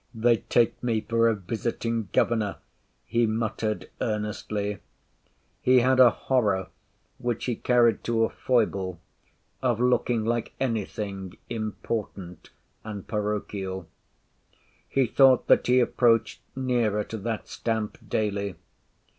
"They take me for a visiting governor," he muttered earnestly. He had a horror, which he carried to a foible, of looking like anything important and parochial. He thought that he approached nearer to that stamp daily..